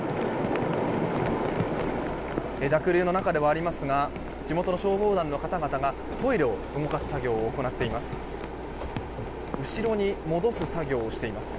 濁流の中ではありますが地元の消防団の方々がトイレを動かす作業を行っています。